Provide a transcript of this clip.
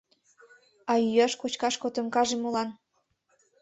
А йӱаш-кочкаш котомкамже молан?